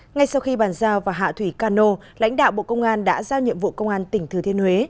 ngay sau khi bàn giao và hạ thủy cano lãnh đạo bộ công an đã giao nhiệm vụ công an tỉnh thừa thiên huế